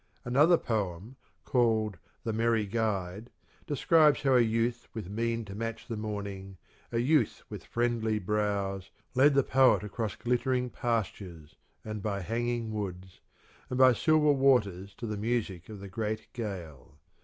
Another poem, called " The Merry Guide," describes how a youth with mien to match the morning, a youth with friendly brows, led the poet across glittering pastures, and by hanging woods, and by silver waters to the music of the great gale.